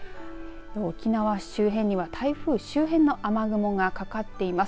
沖縄周辺には台風周辺の雨雲が、かかっています。